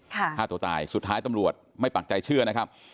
ฆ่าตัวตายสุดท้ายตำรวจไม่ปักใจเชื่อนะครับ